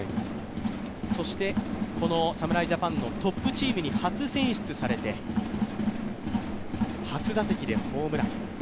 そして侍ジャパンのトップチームに初選出されて初打席でホームラン。